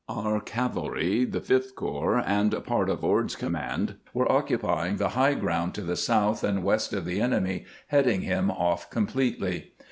Our cavalry, the Fifth Corps, and part of Ord's command were occupying the high ground to the south and west of the enemy, heading him off completely.